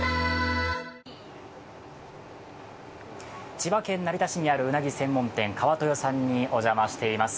千葉県成田市にあるうなぎ専門店、川豊さんにお邪魔しております